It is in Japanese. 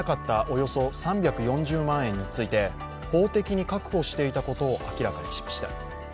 およそ３４０万円について法的に確保していたことを明らかにしました。